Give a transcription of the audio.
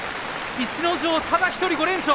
逸ノ城ただ１人５連勝。